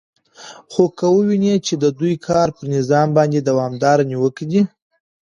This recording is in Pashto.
خو که ووینو چې د دوی کار پر نظام باندې دوامدارې نیوکې دي